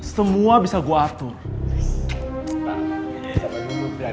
semua bisa gue atur